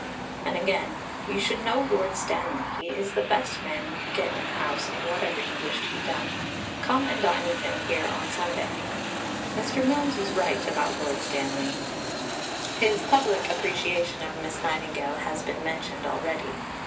And again: "You should know Lord Stanley; he is the best man you could get in the House in whatever you wish to be done. Come and dine with him here on Sunday." Mr. Milnes was right about Lord Stanley. His public appreciation of Miss Nightingale has been mentioned already.